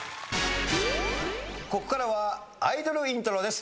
ここからはアイドルイントロです。